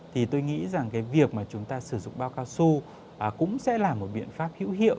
thì tôi nghĩ rằng cái việc mà chúng ta sử dụng bao cao su cũng sẽ là một biện pháp hữu hiệu